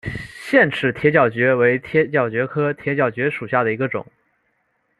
腺齿铁角蕨为铁角蕨科铁角蕨属下的一个种。